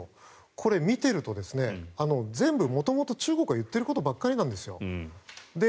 これ、見てると全部元々中国が言っていることばかりなんですよ